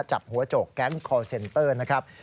จับหัวโจกแก๊งคอร์เซ็นเตอร์นะครับ